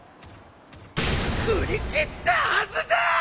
振り切ったはずだ！